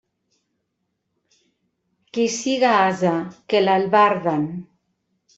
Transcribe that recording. Qui siga ase, que l'albarden.